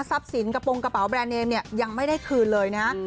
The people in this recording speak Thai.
ทรัพย์สินกระโปรงกระเป๋าแบรนด์เนมยังไม่ได้คืนเลยนะฮะ